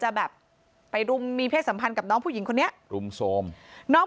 แบบไปรุมมีเพศสัมพันธ์กับน้องผู้หญิงคนนี้รุมโทรมน้อง